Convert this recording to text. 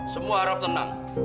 semua harap tenang